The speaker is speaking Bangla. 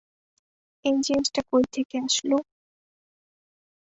এই জিনিসটা কই থেকে আসলো?